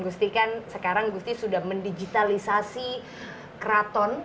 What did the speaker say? jadi kan sekarang gusti sudah mendigitalisasi keraton